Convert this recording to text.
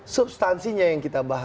substansinya yang kita bahas